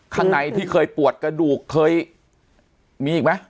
คันในที่เคยปวดกระดูกเคยมีอีกมั้ย